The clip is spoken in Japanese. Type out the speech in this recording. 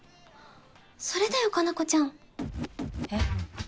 それだよ加奈子ちゃんえっ？